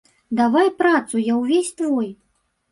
Давай працу, я ўвесь твой.